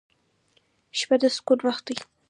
• شپه د سکون وخت دی.